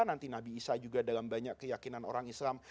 nanti nabi isa juga dalam banyak keyakinan orang islam